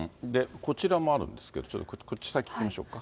こちらもあるんですけど、ちょっとこっち先に聞きましょうか。